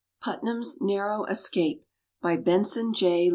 PUTNAM'S NARROW ESCAPE. BY BENSON J.